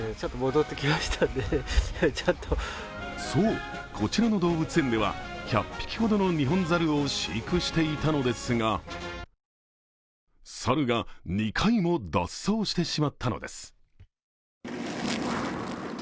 そう、こちらの動物園では１００匹ほどのニホンザルを飼育していたのですが、猿が２回も脱走してしまったのです